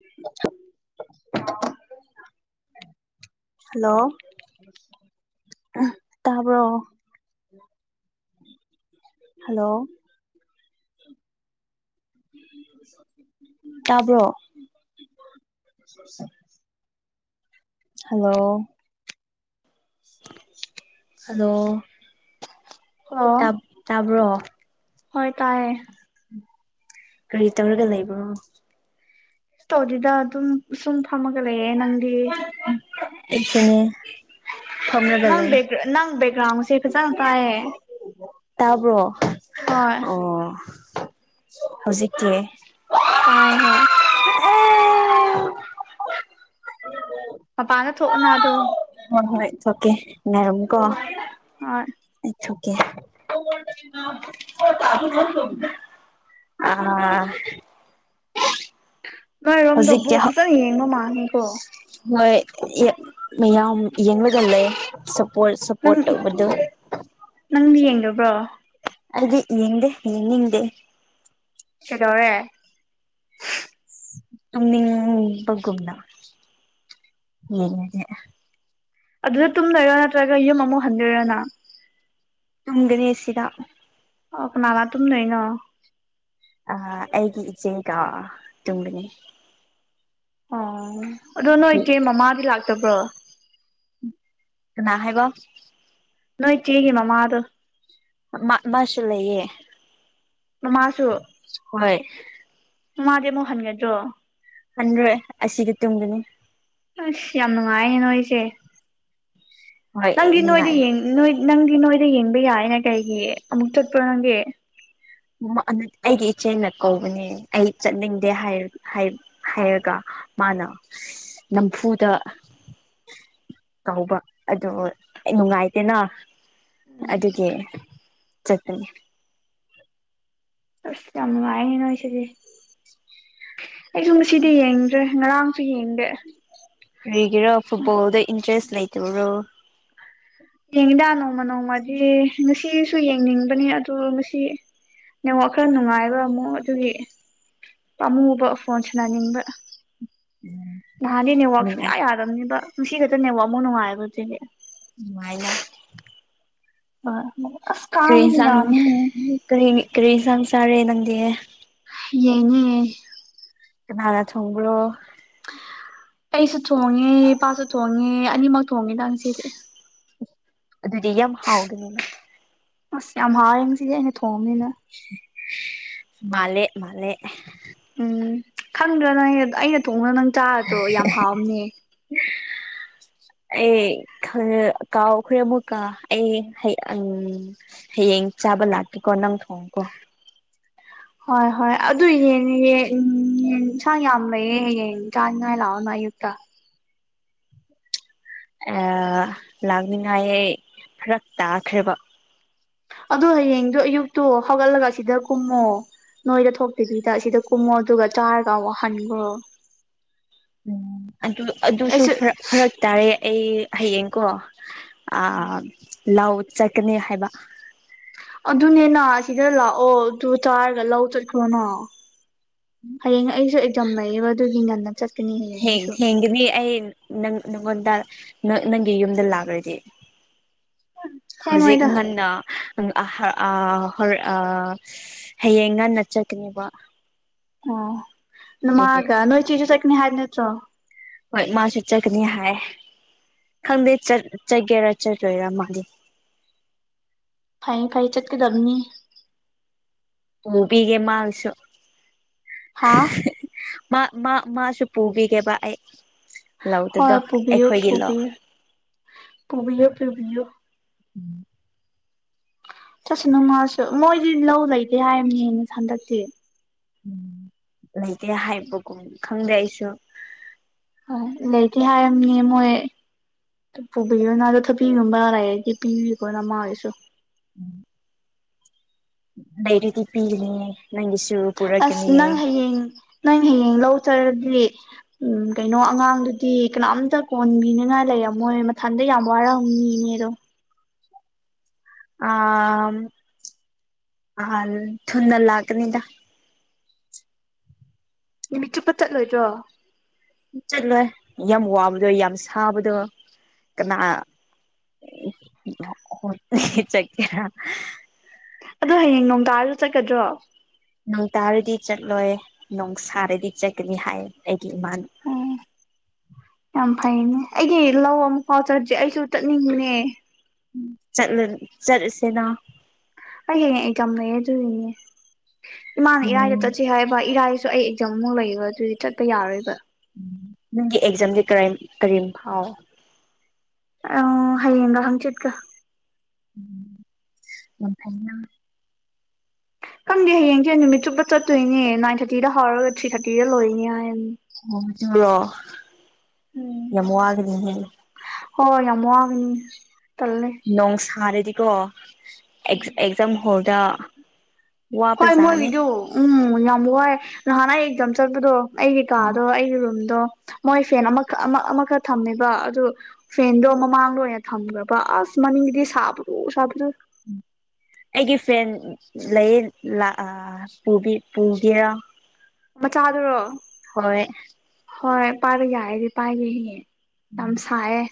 [unintelligible] hello ꯇꯕ hello ꯇꯕ hello ꯑꯗꯣ ꯍꯜꯂꯣ ꯇꯥꯕ꯭ꯔꯣ ꯍꯣꯏ ꯇꯥꯏꯌꯦ ꯀꯔꯤ ꯇꯧꯔꯒ ꯂꯩꯕꯣ ꯇꯧꯔꯤꯗ ꯑꯗꯨꯝ ꯁꯨꯝ ꯐꯝꯃꯒ ꯂꯩꯌꯦꯦ ꯅꯪꯗꯤ ꯑꯩꯁꯨꯅꯦ ꯐꯝꯔꯒ ꯂꯩ ꯅꯪꯦꯛ ꯅꯪ ꯦꯛꯒ꯭ꯔꯥꯎꯁꯤꯦ ꯆꯪ ꯇꯦ ꯇꯥꯕ꯭ꯔꯣ ꯑꯣ ꯍꯧꯖꯤꯛꯇꯀꯤ ꯇꯥꯏ ꯍꯣꯏ ꯃꯄꯥꯟꯅ ꯊꯣꯛꯅ ꯑꯗꯣ ꯍ ꯍꯣꯏ ꯑꯣꯀꯦ ꯅꯔꯝ ꯀꯣ ꯍꯣꯏ [inaudible] ꯑ ꯉꯥꯏꯔꯣꯝꯗ ꯕꯣ ꯐꯖꯅ ꯌꯦꯡꯕ ꯃꯥꯜꯅꯤꯀꯣ ꯍꯣꯏ ꯃꯌꯥꯝ ꯌꯦꯡꯕꯒ ꯂꯩ ꯁꯄꯣꯗꯨ ꯅꯪꯅ ꯌꯦꯡꯕ꯭ꯔꯣ ꯑꯗꯨꯗꯤ ꯌꯦꯗꯦ ꯌꯦꯅꯤꯗꯦ ꯀꯩꯗꯔꯦ ꯕꯒꯕꯅ ꯌꯦꯦ ꯑꯗꯨꯗ ꯇꯨꯝꯅꯔꯣ ꯅꯠꯇ꯭ꯔꯒ ꯌꯨꯝ ꯑꯃꯨꯛ ꯍꯟꯗꯣꯏꯔꯣꯅ ꯇꯒꯅꯦꯁꯤꯗ ꯑꯣ ꯀꯅꯥꯂ ꯑꯗꯨꯨꯝ ꯂꯩꯩꯅꯣ ꯑ ꯑꯩꯒꯤ ꯏꯆꯦꯒ ꯇꯨꯡꯕꯅꯤ ꯑꯣ ꯑꯗꯣ ꯅꯣꯏ ꯏꯆꯦ ꯃꯃꯥꯗꯤ ꯂꯥꯛꯇꯕ꯭ꯔꯣ ꯅ ꯍꯥꯏꯕ ꯅꯣ ꯆꯦ ꯀ ꯃ ꯃꯥ ꯑꯗ ꯃꯥꯁꯂꯌꯦꯦ ꯅ ꯃꯥꯁꯨ ꯍ ꯃꯥꯗꯤ ꯑꯃꯨꯛ ꯍꯟꯒꯗ꯭ꯔꯣ ꯍꯟ꯭ꯔꯦ ꯑꯁꯤꯒꯤ ꯇꯨꯡꯗꯅꯤ ꯑꯁ ꯌꯥꯝ ꯅꯨꯡꯉꯥꯏꯌꯦ ꯅꯣꯏꯁꯦ ꯍꯣꯏ ꯅꯪꯗꯤ ꯅꯣꯏꯗ ꯅꯨꯡꯉꯥꯏ ꯅꯣꯏ ꯅꯪꯒꯤ ꯅꯣꯏꯗ ꯌꯦꯡꯕ ꯌꯥꯏꯅ ꯀꯩꯒꯤ ꯑꯃꯨꯛ ꯆꯠꯄ꯭ꯔꯣ ꯅꯪꯒꯤ ꯃ ꯑꯩꯒꯤ ꯏꯆꯦꯅ ꯀꯧꯕꯅꯦ ꯑꯩ ꯆꯠꯅꯤꯡꯗꯦ ꯍꯥꯏꯔꯒ ꯃꯥꯅ ꯅꯝꯐꯨꯗ ꯇꯧꯕ ꯑꯗꯣ ꯑꯩ ꯅꯨꯡꯉꯥꯏꯇꯦꯅ ꯑꯗꯨꯒꯤ ꯆꯀꯔꯤ ꯑꯁ ꯌꯥꯝꯉꯥꯏ ꯍꯅꯁꯤꯗꯤ ꯑꯩꯁꯨ ꯉꯁꯤꯗꯤ ꯌꯦꯡꯗ꯭ꯔꯦ ꯉꯔꯥꯡꯁꯨ ꯌꯦꯡꯗꯦ ꯂꯩꯒꯤꯔꯣ ꯐꯨꯠꯕꯜꯗ ꯏꯟꯇ꯭ꯔꯦꯁ ꯂꯩꯇꯕ꯭ꯔꯣ ꯌꯦꯡꯉꯤꯗ ꯅꯣꯡꯃ ꯅꯣꯡꯃꯗꯤ ꯉꯁꯤꯁꯨ ꯌꯦꯡꯅꯤꯡꯕꯅꯤ ꯑꯗꯨ ꯉꯁꯤ ꯅꯦꯉꯣ ꯈꯔ ꯅꯨꯡꯉꯥꯏꯕ ꯑꯃꯛ ꯑꯗꯨꯒꯤ ꯑꯃꯨꯕ ꯐꯣꯟꯁꯤꯅ ꯅꯤꯡꯕ ꯅꯍꯥꯟꯗꯤ ꯅꯦꯠꯋꯥꯛ ꯅꯨꯡꯉꯥꯏ ꯁꯨꯡꯌꯥ ꯌꯥꯗꯔꯕꯅꯤꯕ ꯉꯁꯤ ꯈꯛꯇ ꯅꯦꯠꯋꯥꯛꯐꯨꯛ ꯅꯨꯡꯉꯥꯏꯕ ꯑꯗꯨꯗꯤ ꯎꯥꯏꯅ ꯍ ꯀꯔꯤꯁꯥꯡ ꯀꯔꯤ ꯀꯔꯤꯁꯥꯡ ꯆꯔꯦ ꯅꯪꯗꯤ ꯌꯦꯡꯅꯦ ꯀꯅꯥꯅ ꯊꯣꯡꯕꯔꯣ ꯑꯩꯁꯨ ꯊꯣꯡꯉꯦ ꯏꯄꯥꯁꯨ ꯊꯣꯡꯉꯦ ꯑꯅꯤꯃꯛ ꯊꯣꯡꯉꯦꯗ ꯉꯁꯤꯁꯦ ꯏꯁ ꯑꯗꯨꯗꯤ ꯌꯥꯝ ꯍꯥꯎꯒꯅꯤꯅ ꯑꯁ ꯌꯥꯝ ꯍꯥꯏꯁꯤꯗꯤ ꯑꯩꯅ ꯊꯣꯡꯑꯝꯅꯤꯅ ꯃꯥꯂꯦ ꯃꯥꯂꯦ ꯎꯝ ꯈꯪꯗ꯭ꯔꯥ ꯅꯪ ꯑꯩꯅ ꯊꯣꯡꯕꯗꯣ ꯅꯪ ꯆꯥꯔꯗ꯭ꯔꯣ ꯌꯥꯝ ꯍꯥꯎꯝꯅꯦ [inaudible] ꯑꯦ ꯈꯔ ꯀꯥꯎ ꯈꯔꯦ ꯑꯃꯨꯛꯀ ꯑꯩ ꯎꯝ ꯍꯌꯦꯡ ꯆꯥꯕꯜ ꯂꯥꯇꯀꯣ ꯅꯪ ꯊꯣꯡꯣꯡ ꯀꯣ ꯍꯣꯏ ꯍꯣꯏ ꯑꯗꯨ ꯎꯝ ꯆꯥꯡ ꯌꯥꯝꯃꯦꯌꯦ ꯌꯦꯟ ꯆꯥꯡꯉ ꯂꯥꯎꯑꯣꯅ ꯌꯨꯛꯇ ꯑ ꯂꯥꯛꯅꯤꯉꯥꯏ ꯈꯔ ꯇꯥꯈ꯭ꯔꯦꯕ ꯑꯗꯣ ꯍꯌꯦꯡꯗꯣ ꯑꯌꯨꯛꯇꯣ ꯍꯧꯒꯠꯂꯒ ꯁꯤꯗ ꯀꯨꯝꯃꯣ ꯅꯣꯏꯗ ꯊꯣꯛꯇꯕꯤꯗ ꯑꯁꯤꯗ ꯀꯨꯝꯃꯣ ꯑꯗꯨꯒ ꯆꯥꯔꯒ ꯋꯥꯍꯟꯈ꯭ꯔꯣ ꯎꯝ ꯑꯗꯨ ꯑꯗꯨꯁꯨ ꯐꯔꯛ ꯇꯥꯔꯦ ꯑꯩ ꯍꯌꯦꯡꯀꯣ ꯂꯧ ꯆꯠꯀꯅꯤ ꯍꯥꯏꯕ ꯑꯗꯨꯅꯦꯅ ꯁꯤꯗ ꯂꯥꯛꯑꯣ ꯑꯗꯨ ꯆꯥꯔꯒ ꯂꯧ ꯆꯠꯈ꯭ꯔꯣꯅ ꯍꯌꯦꯡ ꯑꯩꯁꯨ ꯑꯦꯛꯖꯝ ꯂꯩꯌꯦꯕ ꯑꯗꯨꯒꯤ ꯉꯟꯅ ꯆꯠꯦ ꯍꯦꯡ ꯊꯦꯡꯒꯦꯗꯤ ꯑꯩ ꯅꯪ ꯅꯪꯉꯣꯟꯗ ꯅꯪꯒꯤ ꯌꯨꯝꯗ ꯂꯥꯛꯈ꯭ꯔꯗꯤ ꯍꯧꯖꯤꯛ ꯊꯦꯡꯉꯣꯏꯗ ꯉꯟꯅ ꯍ ꯑ ꯍꯌꯦꯡ ꯉꯥꯟꯅ ꯆꯀꯅꯦꯕ ꯑꯣ ꯅꯃꯥꯒ ꯅꯣꯏ ꯆꯤꯁꯨ ꯆꯀꯅꯤ ꯍꯥꯏꯕ ꯅꯠꯇ꯭ꯔꯣ ꯍꯣꯏ ꯃꯥꯁꯨ ꯆꯠꯀꯅꯤ ꯍꯥꯏ ꯈꯪꯗꯦ ꯆꯠꯒꯦꯔꯥ ꯆꯠꯂꯣꯏꯔꯥ ꯃꯥꯒꯤ ꯐꯩ ꯐꯩ ꯆꯠꯀ ꯗꯝꯅꯤ ꯄꯨꯕꯤꯒꯦ ꯃꯍꯥꯛꯁꯨ ꯍꯥꯥ ꯃꯥ ꯃꯥ ꯃꯥꯁꯨ ꯄꯨꯕꯤꯒꯦꯕ ꯑꯩ ꯍꯣꯏ ꯂꯧꯗꯨꯗꯣ ꯄꯨꯕꯤꯌꯨ ꯑꯩꯈꯣꯏꯒꯤ ꯂꯧ ꯄꯨꯕꯤ ꯄꯨꯕꯤꯑꯣ ꯄꯨꯕꯤꯌꯣ ꯎꯝ ꯆꯠꯁꯨꯅꯨ ꯃꯁꯨ ꯃꯣꯏꯗꯤ ꯂꯧ ꯂꯩꯇꯦ ꯍꯥꯏꯕꯅꯦꯅꯦ ꯍꯟꯗꯛꯇꯤ ꯎꯝ ꯂꯩꯇꯦ ꯍꯥꯏꯕꯒꯨꯝ ꯈꯪꯗꯦ ꯑꯩꯁꯨ ꯍꯣꯏ ꯂꯩꯇꯦ ꯍꯥꯏꯔꯝꯅꯤ ꯃꯣꯏ ꯄꯨꯕꯤꯌꯣꯅ ꯑꯗꯣ ꯊꯥꯕꯤꯒꯨꯝꯕ ꯂꯩꯔꯗꯤ ꯄꯤꯕꯤꯈꯣ ꯅꯃꯥꯒꯤꯁꯨ ꯂꯩꯔꯗꯤ ꯄꯤꯒꯅꯦ ꯅꯪꯒꯤꯁꯨ ꯑꯁ ꯄꯨꯔꯛꯀꯅꯤ ꯅꯪ ꯍꯌꯦꯡ ꯅꯪ ꯍꯌꯦꯡ ꯂꯧ ꯆꯠꯂꯥꯗꯤ ꯎ ꯀꯩꯅꯣ ꯑꯉꯥꯡꯗꯨꯗꯤ ꯀꯅꯥꯝꯇ ꯀꯣꯟꯕꯤꯅꯤꯉꯥꯏ ꯂꯩꯔꯝꯃꯣꯢ ꯃꯣꯏ ꯃꯊꯟꯗ ꯌꯥꯝ ꯋꯥꯔꯝꯅꯤ ꯢꯅꯦꯗꯣ ꯑ ꯑ ꯅꯥꯍꯜ ꯊꯨꯅꯥ ꯂꯥꯛꯀꯅꯤ ꯅꯨꯃꯤꯠ ꯆꯨꯞꯄ ꯆꯠꯂꯣꯏꯗ꯭ꯔꯣ ꯆꯠꯂꯣꯏ ꯌꯥꯝ ꯋꯥꯕꯗꯣ ꯌꯥꯝ ꯁꯥꯕꯗꯣ ꯀꯅꯥ ꯆꯠꯀꯦꯔ ꯑꯗꯣ ꯍꯌꯦꯡ ꯅꯣꯡ ꯇꯔꯁꯨ ꯆꯠꯀꯗ꯭ꯔꯣ ꯅꯣꯡ ꯇꯥꯔꯗꯤ ꯆꯠꯂꯣꯏ ꯅꯣꯡ ꯁꯥꯔꯗꯤ ꯆꯠꯀꯅꯤ ꯍꯥꯏꯌꯦ ꯑꯩꯒꯤ ꯏꯃꯥꯅ ꯎꯝ [unintelligible] ꯌꯥꯝ ꯐꯩꯅꯦ ꯑꯩꯗꯤ ꯂꯧ ꯑꯃꯨꯛꯐꯥꯎ ꯆꯠꯇꯔꯤ ꯑꯩꯁꯨ ꯆꯠꯅꯤꯡꯕꯅꯦ ꯆꯠꯂ ꯆꯠꯂꯁꯦꯅ ꯑꯩ ꯍꯥꯉꯦꯡ ꯑꯦꯖꯥꯝ ꯂꯩꯌꯦ ꯑꯗꯨꯒꯤꯅꯦ ꯏꯃꯥꯅ ꯏꯔꯥꯏꯗ ꯎꯝ ꯆꯠꯁꯤ ꯍꯥꯏꯕ ꯏꯔꯥꯏꯁꯨ ꯑꯩ ꯖꯥꯝꯃꯨꯛ ꯂꯩꯕ ꯑꯗꯨꯗꯤ ꯆꯠꯄ ꯌꯥꯔꯣꯏꯕ ꯎ ꯅꯪꯒꯤ ꯑꯦꯛꯖꯥꯝꯗꯤ ꯀꯔꯤ ꯐꯥꯎ ꯑ ꯍꯌꯦꯡꯒ ꯍꯪ ꯆꯤꯠꯒ ꯎꯝ ꯌꯥꯝ ꯐꯩꯅ ꯈꯪꯗꯦ ꯍꯌꯦꯡꯁꯦ ꯅꯨꯃꯤꯠ ꯆꯨꯞꯄ ꯆꯠꯇꯣꯏꯅꯦ ꯅꯥꯏꯟ ꯊꯥꯔꯇꯤꯗ ꯍꯧꯔꯒ ꯊ꯭ꯔꯤ ꯊꯥꯔꯇꯤꯗ ꯂꯣꯏꯔꯤꯅꯤ ꯍꯥꯏꯅꯦ ꯎꯝ ꯌꯥꯝ ꯋꯥꯒꯅꯤꯍꯦ ꯍꯣꯏ ꯌꯥꯝ ꯋꯥꯕꯅꯤ ꯅꯣꯡ ꯁꯥꯔꯗꯤꯀꯣ ꯑꯦꯛꯖꯥꯝ ꯍꯣꯔꯗ ꯍꯣꯏ ꯃꯣꯏꯒꯤꯗꯨ ꯎꯝ ꯌꯥꯝ ꯋꯥꯏ ꯅꯍꯥꯟ ꯑꯩ ꯑꯦꯛꯖꯥꯝ ꯆꯠꯄꯗꯣ ꯑꯩꯒꯤ ꯎꯝ ꯀꯥꯗꯣ ꯑꯩꯒꯤ ꯔꯨꯝꯗꯣ ꯃꯣꯏ ꯐꯦꯟ ꯑꯃꯈꯛ ꯑꯃ ꯑꯃꯈꯛ ꯊꯝꯃꯦꯕ ꯑꯗꯨ ꯐꯦꯟꯗꯣ ꯃꯃꯥꯡꯗ ꯑꯣꯏꯅ ꯊꯝꯈ꯭ꯔꯕ ꯑꯁ ꯃꯅꯤ ꯁꯥꯕꯗꯣ ꯁꯥꯕꯗꯨ ꯎꯝ [inaudible] ꯑꯩꯒꯤ ꯐ꯭ꯔꯦꯟ ꯂꯩ ꯄꯨꯒꯦꯔꯥ ꯃꯆꯥꯗꯨꯔꯣ ꯍꯣꯏ ꯍꯣꯏ ꯄꯥꯏꯕ ꯌꯥꯏꯔꯗꯤ ꯄꯥꯏꯅꯤꯌꯦ ꯌꯥꯝ ꯁꯥꯏꯌꯦ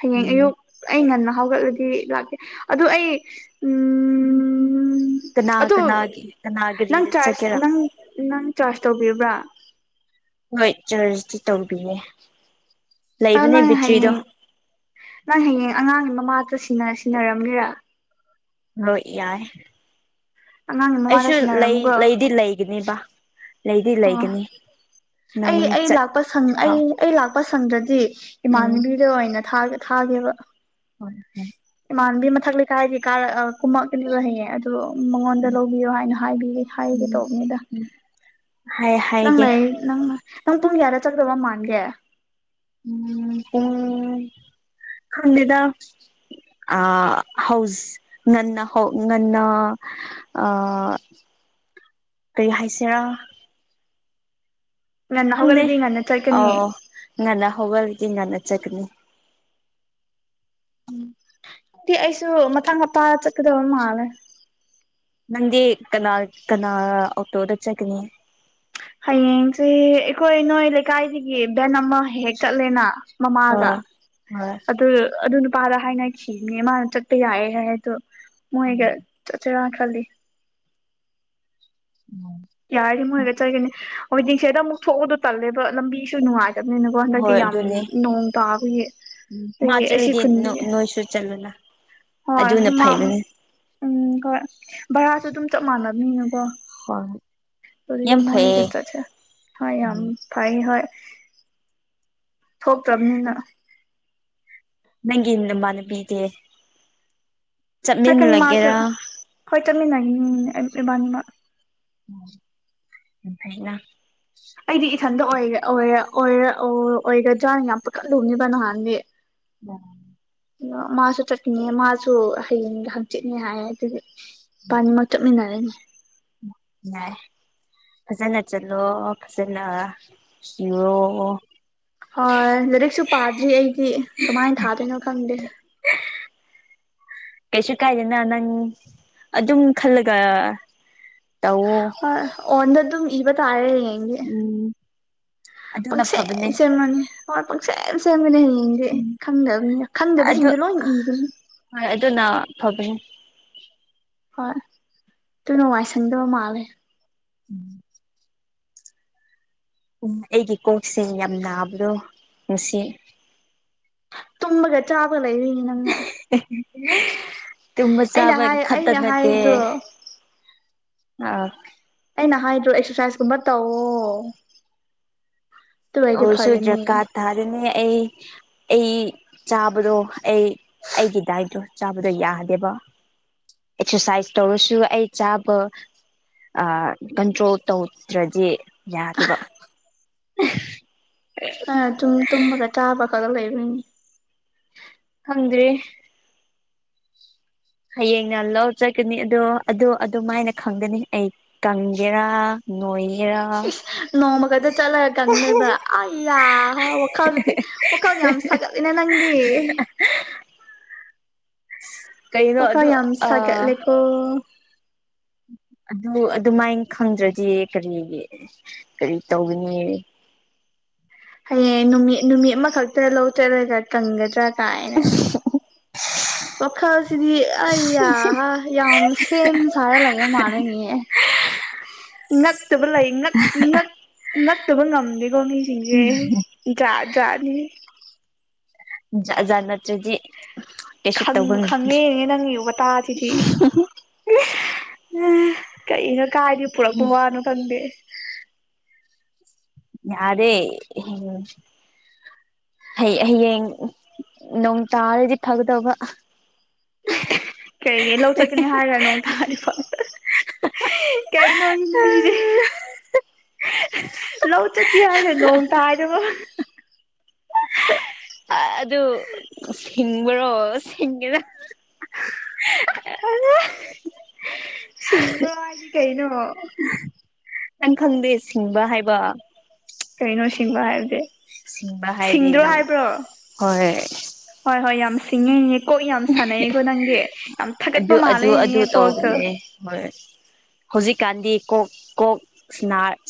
ꯍꯌꯦꯡ ꯎꯝ ꯑꯌꯨꯛ ꯑꯩ ꯉꯟꯅ ꯍꯧꯒꯠꯂꯗꯤ ꯂꯥꯛꯀꯦ ꯑꯗꯨꯗ ꯑꯩ ꯎꯝ ꯎꯝ ꯀꯅꯥ ꯑꯗꯣ ꯀꯅꯥꯒꯤ ꯀꯅꯥ ꯅꯪ ꯒꯥꯔꯤꯗ ꯆꯥꯖ ꯆꯠꯀꯦꯔꯥ ꯅꯪ ꯅꯪ ꯀꯔꯥꯁ ꯇꯧꯕꯤꯕ꯭ꯔꯥ ꯍꯣꯏ ꯆꯔꯁꯇꯤ ꯇꯧꯕꯤꯔꯦ ꯑ ꯅꯪ ꯍꯌꯦꯡ ꯅꯪ ꯍꯌꯦꯡ ꯑꯉꯥꯡ ꯃꯥꯇ ꯁꯤꯟꯅꯔꯝꯃꯤꯔ ꯍꯣꯏ ꯌꯥꯏ ꯑꯉꯥꯡꯒꯤ ꯃꯃꯥꯗ ꯑꯩꯁꯨ ꯂꯩ ꯁꯤꯟꯅꯔꯝꯃꯨꯒ ꯂꯩꯗꯤ ꯂꯩꯒꯅꯦꯕ ꯑꯩꯗꯤ ꯑꯣ ꯂꯩꯒꯅꯤ ꯅꯪ ꯑꯩ ꯑꯩ ꯂꯥꯛꯄ ꯁꯪ ꯑꯩ ꯆꯠꯇ꯭ꯔꯤꯐꯥꯎ ꯑꯩ ꯂꯥꯛꯄ ꯁꯪꯗꯗꯤ ꯎꯝ ꯏꯃꯥꯟꯅꯕꯤꯗ ꯑꯣꯏꯅ ꯊꯥꯒ ꯊ ꯍꯥꯏꯦꯕ ꯍꯣꯏ ꯍꯣꯏ ꯥꯟꯕꯤ ꯃꯊꯛ ꯂꯩꯀꯥꯏ ꯍꯥꯏꯗꯤ ꯀꯥꯔ ꯀꯨꯝꯃꯛꯀꯅꯤ ꯂ ꯍꯩꯌꯦ ꯑꯗꯨ ꯃꯉꯣꯟꯗ ꯂꯧꯕꯤꯌꯣ ꯍꯥꯏꯅ ꯍꯥꯏꯕꯤ ꯍꯥꯏꯒꯦ ꯎꯝ ꯇꯧꯕꯅꯤꯗ ꯎꯝ ꯍꯥꯏ ꯅꯪ ꯍꯥꯏꯒꯦ ꯂꯩ ꯅꯪ ꯅꯪ ꯄꯨꯡ ꯌꯥꯔ ꯆꯗꯕ ꯃꯥꯟꯒꯦ ꯎꯝ ꯎ ꯈꯗꯤꯗ ꯑ ꯍꯥꯎꯁ ꯅ ꯍ ꯅ ꯑ ꯔꯔꯤ ꯍꯥꯏꯥꯏꯁꯔꯥ ꯉꯟꯅ ꯈꯪꯦ ꯍꯧꯒꯠꯂꯗꯤ ꯉꯟꯅ ꯑ ꯆꯠꯀꯅꯤ ꯉꯅ ꯍꯒꯜꯒꯤ ꯉꯅ ꯆꯀꯅꯤ ꯗꯤ ꯑꯩꯁꯨ ꯃꯥꯡ ꯃꯄꯥ ꯆꯠꯀꯗꯕ ꯃꯥꯜꯂꯦ ꯅꯪꯗꯤ ꯀꯅꯥ ꯀꯅꯥ ꯑꯣꯛꯇꯣꯗ ꯆꯀꯅꯤ ꯍꯌꯦꯡꯁꯦ ꯑꯩꯈꯣꯏ ꯅꯣꯏ ꯂꯩꯀꯥꯏꯗꯒꯤ ꯚꯦꯟ ꯑꯃ ꯍꯦꯛ ꯆꯠꯂꯦꯅ ꯃꯃꯥꯒ ꯍꯣꯏ ꯍꯣꯏ ꯑꯗꯨ ꯑꯗꯨ ꯄꯥꯥꯗ ꯍꯥꯏꯅꯈꯤꯕꯅꯤ ꯃꯥꯅ ꯆꯠꯄ ꯌꯥꯏ ꯍꯥꯏ ꯑꯗꯣ ꯃꯣꯏꯒ ꯆꯩꯔꯈꯜꯂꯤ ꯌꯥꯔꯤ ꯃꯣꯏꯔ ꯆꯠꯒꯅꯤ ꯍꯧꯖꯤꯣꯏ ꯤꯡꯁꯦꯗ ꯑꯃꯨꯛ ꯊꯣꯛꯎꯗꯣ ꯇꯜꯂꯦꯕ ꯂꯝꯕꯤꯁꯨ ꯅꯨꯡꯉꯥꯏ ꯆꯕꯅꯤꯅꯀꯣ ꯍꯟꯗꯛꯇꯤ ꯌꯥꯝ ꯅꯣꯡ ꯇꯥꯕꯒꯤ ꯎ ꯑꯗꯒꯤ ꯑꯁꯤ ꯃꯥꯆꯂꯗꯤ ꯅ ꯈꯨꯟꯗꯤ ꯅꯣꯏꯁꯨ ꯆꯜꯂꯂ ꯍꯣꯏ ꯎꯝ ꯍꯣꯏ ꯚꯔꯥꯁꯨ ꯑꯗꯨꯝ ꯆꯞ ꯃꯥꯟꯅꯅꯤꯅꯀꯣ ꯍꯣꯏ ꯇ ꯌꯥꯝ ꯐꯩꯌꯦ ꯃꯣꯏꯦꯊꯦ ꯍ ꯌꯥꯝ ꯎꯝ ꯐꯥꯏ ꯍ ꯊꯣꯛꯇ꯭ꯔꯕꯅꯤꯅ ꯅꯪꯒꯤ ꯅꯕꯥꯅ ꯄꯤꯗꯦ ꯆꯠꯃꯤꯟꯂꯒꯦꯔꯥ ꯆꯃꯤꯝ ꯏꯕꯥꯃ ꯑꯅ ꯑꯩꯗꯤ ꯏꯊꯟꯗ ꯑꯣꯏ ꯑꯣꯏꯔꯔ ꯑꯣꯏꯒ ꯖꯥ ꯌꯥꯝ ꯄꯛꯀꯗꯨꯝꯅꯤꯕ ꯅꯍꯥꯟꯗꯤ ꯑ ꯑ ꯃꯥꯁꯨ ꯆꯠꯈꯤꯅꯤ ꯃꯥꯁꯨ ꯍꯌꯦꯡꯒ ꯍꯪꯆꯤꯠꯅꯦ ꯍꯥꯏ ꯑꯗꯨꯗꯤ ꯄꯅꯤꯃ ꯆꯠꯃꯤꯟꯅꯔꯦꯅꯦ [inaudible] ꯐꯖꯅ ꯆꯠꯂꯣ ꯐꯖꯅ ꯁꯤꯔꯣ ꯍꯣꯏ ꯂꯥꯏꯔꯤꯛꯁꯨ ꯄꯥꯗ꯭ꯔꯤ ꯑꯩꯗꯤ ꯀꯃꯥꯏꯅ ꯊꯥꯗꯣꯏꯅꯣ ꯈꯪꯗꯦ ꯀꯩꯁꯨ ꯀꯥꯏꯗꯦꯅ ꯅꯪ ꯑꯗꯨꯝ ꯈꯜꯂꯒ ꯇꯧꯋꯣ ꯑ ꯑꯣꯟ ꯑꯗꯨꯝ ꯏꯕ ꯇ ꯍꯥꯏꯔꯦ ꯦꯪ ꯎꯝ ꯑꯗꯨꯅ ꯁ ꯐꯕꯅꯦ ꯁꯔꯃꯅꯤ ꯍꯠ ꯄꯪ ꯁꯦꯝ ꯁꯦꯝꯒꯅꯤ ꯍꯌꯦꯡꯗꯤ ꯈꯪꯗꯕꯅꯤꯅ ꯑꯗꯨ ꯈꯪꯗꯕꯁꯤꯡꯁ ꯂꯣꯏ ꯏꯈꯤꯕꯅꯤ ꯍꯣꯏ ꯑꯗꯨꯅ ꯐꯕꯅꯦ ꯍꯣꯏ ꯑꯗꯨ ꯅꯨꯡꯉꯥꯏꯁꯪꯗꯕ ꯃꯥꯜꯂꯦ ꯎꯝ ꯎꯝ ꯑꯩꯒꯤ ꯀꯣꯛꯁꯦ ꯌꯥꯝ ꯅꯥꯕꯗꯣ ꯉꯅꯨꯡꯁꯤ ꯇꯨꯝꯃꯒ ꯆꯥꯕ ꯂꯩ ꯂꯩꯔꯤ ꯅꯪ ꯎ ꯇꯨꯝꯃ ꯆꯕ ꯑꯩꯅ ꯈꯠꯇꯗ ꯅꯠꯇꯦ ꯍꯥꯏꯗ꯭ꯔꯣ ꯑ ꯑꯩꯅ ꯍꯥꯏꯗ꯭ꯔꯣ ꯑꯦꯛꯁꯔꯁꯥꯏꯁꯀꯨꯝꯕ ꯇꯧꯋꯣ ꯑꯗꯨ ꯑꯣꯏꯔꯗꯤ ꯑꯣ ꯐꯒꯅꯤ ꯁꯨꯗ꯭ꯔꯀꯥ ꯊꯥꯗꯅꯦ ꯑꯩ ꯑꯩ ꯆꯥꯕꯗꯣ ꯑꯩ ꯑꯩꯒꯤ ꯗꯥꯏꯠꯇꯣ ꯆꯥꯕꯗꯣ ꯌꯥꯗꯦꯕ ꯑꯦꯛꯁꯔꯁꯥꯏꯁ ꯇꯧꯔꯁꯨ ꯑꯩ ꯆꯥꯕ ꯀꯟꯇ꯭ꯔꯣꯜ ꯇꯧꯗ꯭ꯔꯗꯤ ꯌꯥꯗꯦꯕ ꯑ ꯇ ꯨꯝꯃꯒ ꯆꯥꯔꯒ ꯂꯩꯕꯩꯅꯤ ꯈꯪꯗ꯭ꯔꯦ ꯍꯌꯦꯡꯅ ꯂꯧ ꯆꯠꯊꯅꯤ ꯑꯗꯣ ꯑꯗꯨ ꯑꯗꯨꯝꯥꯏꯅ ꯈꯪꯒꯅꯤ ꯑꯩ ꯀꯪꯒꯦꯔꯥ ꯅꯣꯏ ꯁꯤ ꯅꯣꯡꯃ ꯀꯗ ꯆꯠꯂꯒ ꯀꯪꯅꯦꯕ ꯑꯌꯥ ꯋꯥꯈꯥꯜꯗꯤ ꯋꯥꯀꯥꯜ ꯌꯥꯝ ꯁꯒꯠꯂꯦ ꯅꯪꯗꯤ [unintelligible] ꯀꯩꯅꯣ ꯋꯥꯈꯜ ꯑꯗꯨ ꯌꯥꯝ ꯑ ꯁꯥꯒꯠꯂꯦꯀꯣ ꯑꯗꯨ ꯑꯗꯨꯃꯥꯏꯅ ꯈꯪꯗ꯭ꯔꯗꯤ ꯀꯔꯤ ꯀꯔꯤ ꯇꯧꯒꯅꯤ ꯍꯌꯦꯡ ꯅꯨꯃꯤꯠ ꯅꯨꯃꯤꯠ ꯑꯃꯈꯛꯇꯅ ꯂꯧ ꯆꯠꯂꯒ ꯀꯪꯒꯗ꯭ꯔꯥ ꯀꯥꯏꯅ ꯋꯥꯈꯜ ꯁꯤꯗꯤ ꯑꯩ ꯌꯥ ꯌꯥꯝ ꯁꯦꯝ ꯁꯥꯔ ꯂꯩꯥꯕ ꯃꯥꯥꯟꯂꯦꯅꯦ [unintelligible] ꯉꯛꯇꯕ ꯂꯩ ꯉꯛꯇꯕ ꯉꯝꯗꯦꯀꯣ ꯃꯤꯁꯤꯡꯁꯦ ꯆꯠꯅꯤ ꯖꯥꯠ ꯖꯥꯠ ꯑꯗꯨꯗꯤ ꯀꯦꯁꯨ ꯈꯪꯕꯨ ꯇꯧꯒꯦ ꯈꯪꯉꯦꯅꯦ ꯅꯪꯒꯤ ꯋꯥꯇꯥꯁꯤꯗꯤ ꯀꯩꯅꯣ ꯀꯥꯏꯗꯩ ꯄꯨꯔꯛꯄ ꯋꯥꯅꯣ ꯈꯡꯗꯦ ꯌꯥꯗꯦ ꯍꯩ ꯍꯌꯦꯡ ꯅꯣꯡ ꯇꯥꯔꯗꯤ ꯐꯒꯗꯧꯕ ꯀꯔꯤꯒꯤ ꯂꯧ ꯆꯠꯀꯅꯤ ꯍꯥꯏꯔꯒ ꯅꯣꯡ ꯇꯥꯔꯤꯕ ꯀꯩꯅ ꯅ [unintelligible] ꯂꯧ ꯆꯠꯀꯦ ꯍꯥꯏꯔ ꯅꯣꯡ ꯇꯥ [unintelligible] ꯑꯗꯨ ꯁꯤꯡꯕ꯭ꯔꯣ ꯁꯤꯡꯒꯦꯗ [unintelligible] [unintelligible] ꯁꯤꯡꯕ ꯍꯥꯏꯗꯤ ꯀꯩꯅꯣ ꯅꯪ ꯈꯪꯗꯦ ꯁꯤꯡꯕ ꯍꯥꯏꯕ ꯀꯩꯅꯣ ꯁꯤꯡꯕ ꯍꯥꯏꯕꯗꯤ ꯁꯤꯡꯕ ꯍꯥꯏꯔꯦ ꯁꯤꯡꯗ꯭ꯔꯣ ꯅꯪ ꯍꯥꯏꯕ꯭ꯔꯣ ꯍꯣꯏ ꯍꯣꯏ ꯍꯣꯏ ꯌꯥꯝ ꯁꯤꯡꯉꯦ ꯀꯣꯛ ꯌꯥꯝ ꯁꯥꯟꯅꯩꯀꯣ ꯅꯪꯗꯤ ꯌꯥꯝ ꯊꯥꯒꯠꯄ ꯑꯗꯨ ꯑꯗꯨ ꯑꯗꯨ ꯃꯥꯜꯂꯦꯅꯤꯉ ꯀꯣꯛꯇ ꯇꯧꯕꯅꯦ ꯍꯣꯏ ꯍꯧꯖꯤꯛꯀꯥꯟꯗꯤ ꯀꯣꯛ ꯀꯣꯛ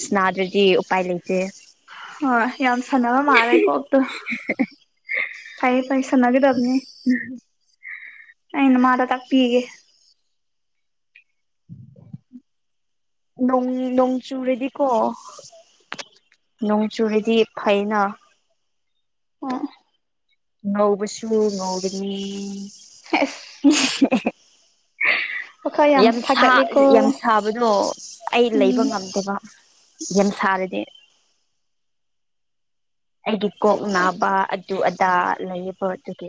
ꯁꯅꯥꯗꯗꯤ ꯎꯄꯥꯏ ꯂꯩꯇꯦ ꯍꯣꯏ ꯌꯥꯝ ꯁꯥꯟꯅꯕ ꯃꯥꯜꯂꯦ ꯀꯣꯛꯇꯣ ꯐꯩꯌꯦ ꯐꯩꯌꯦ ꯁꯅꯥꯒꯗꯕꯅꯤ ꯅꯃꯥꯗ ꯇꯥꯛꯄꯤꯒꯦ ꯅꯣꯡ ꯅꯣꯡ ꯆꯨꯔꯗꯤꯀꯣ ꯅꯣꯡ ꯆꯨꯔꯤꯗꯤ ꯐꯩꯅ ꯑ ꯉꯧꯕꯁꯨ ꯉꯧꯒꯅꯤ ꯑꯦꯁ ꯋꯥꯈꯜ ꯌꯥꯝ ꯁꯥ ꯁꯥꯒꯠꯂꯦꯀꯣ ꯌꯥꯝ ꯁꯥꯕꯗꯣ ꯑꯩ ꯎꯝ ꯂꯩꯕ ꯉꯝꯗꯕ ꯌꯦꯟ ꯁꯥꯔꯗꯤ ꯑꯩꯒꯤ ꯀꯣꯛ ꯅꯥꯕ ꯑꯗꯨ ꯑꯗꯥ ꯂꯩꯌꯦꯕ ꯑꯗꯨꯒꯤ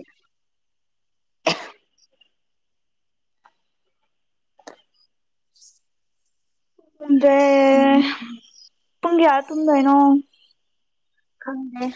[unintelligible] [unintelligible] ꯄꯨꯡ ꯀꯌꯥꯗ ꯇꯨꯝꯗꯣꯏꯅꯣ ꯈꯪꯗꯦ